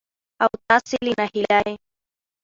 او تاسې له ناهيلۍ